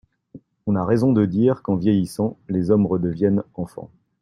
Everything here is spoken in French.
On a raison de dire qu'en vieillissant les hommes redeviennent enfants.